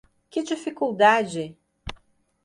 Que dificuldade?